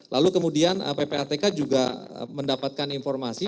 lalu kemudian ppatk juga mendapatkan informasi